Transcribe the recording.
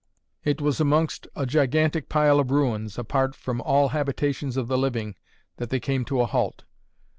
It was amongst a gigantic pile of ruins, apart from all habitations of the living, that they came to a halt.